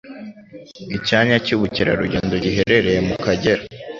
Icyanya cy' ubukerarugendo giherereye mu Akagera